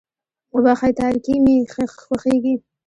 وبښئ تاريکي مې خوښېږي.